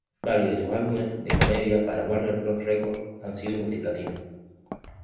Varios de sus álbumes de comedia para Warner Bros Records han sido multiplatino.